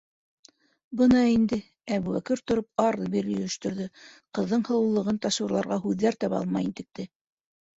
Бына инде, - Әбүбәкер тороп, арлы-бирле йөрөштөрҙө, ҡыҙҙың һылыулығын тасуирларға һүҙҙәр таба алмай интекте.